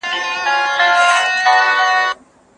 کمپيوټر نتيجه اعلانوي.